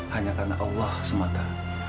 hanya karena allah semata